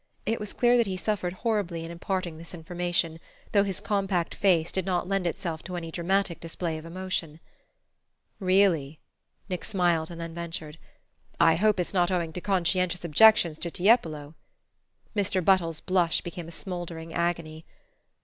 It was clear that he suffered horribly in imparting this information, though his compact face did not lend itself to any dramatic display of emotion. "Really," Nick smiled, and then ventured: "I hope it's not owing to conscientious objections to Tiepolo?" Mr. Buttles's blush became a smouldering agony.